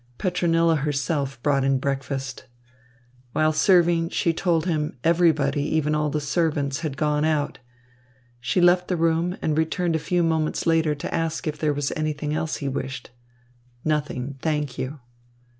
Petronilla herself brought in breakfast. While serving, she told him everybody, even all the servants, had gone out. She left the room, and returned a few moments later to ask if there was anything else he wished. "Nothing, thank you."